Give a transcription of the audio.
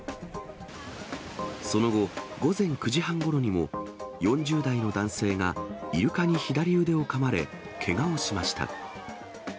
その後、午前９時半ごろにも、４０代の男性がイルカに左腕をかまれ、けがをしました。